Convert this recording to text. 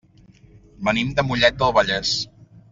Venim de Mollet del Vallès.